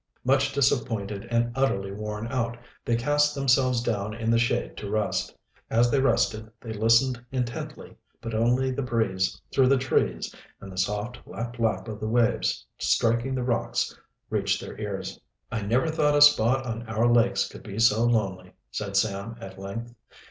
Much disappointed and utterly worn out, they cast themselves down in the shade to rest. As they rested they listened intently, but only the breeze through the trees and the soft lap lap of the waves striking the rocks reached their ears. "I never thought a spot on our lakes could be so lonely," said Sam at length.